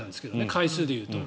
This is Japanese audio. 階数でいうと。